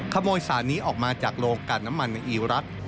ขโมยสารนี้ออกมาจากโรงการน้ำมันในอีรักษ์